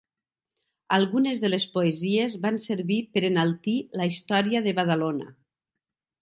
Algunes de les poesies van servir per enaltir la història de Badalona.